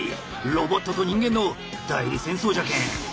ロボットと人間の代理戦争じゃけん。